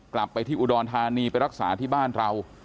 กลับไปที่อุดรธานีไปรักษาที่บ้านเรา